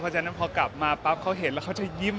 ฉะนั้นพอกลับมาปั๊บเขาเห็นแล้วเขาจะยิ้ม